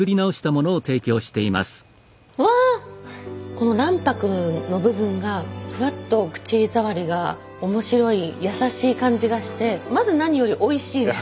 この卵白の部分がふわっと口触りが面白いやさしい感じがしてまず何よりおいしいです。